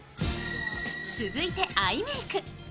続いてアイメーク。